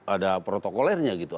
ada protokolernya gitu